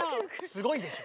すごいでしょ？